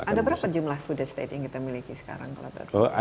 ada berapa jumlah food estate yang kita miliki sekarang kalau tadi